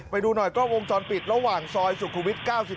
ไปดูหน่อยกล้องวงจรปิดระหว่างซอยสุขุวิต๙๒